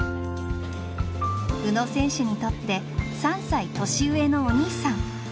宇野選手にとって３歳年上のお兄さん。